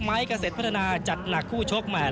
ไมค์เกษตรพัฒนาจัดหนักคู่โชคแมน